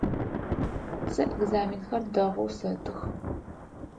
Сэ экзаменхэр дэгъоу сэтых.